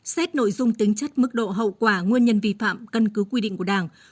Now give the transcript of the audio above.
xét nội dung tính chất mức độ hậu quả nguyên nhân vi phạm cân cứ quy định của đảng